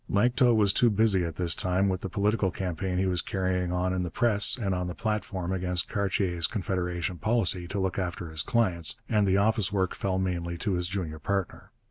Lanctot was too busy at this time with the political campaign he was carrying on in the press and on the platform against Cartier's Confederation policy to look after his clients, and the office work fell mainly to his junior partner.